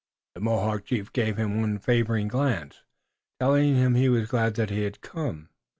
The Mohawk chief gave him one favoring glance, telling him he was glad that he had come.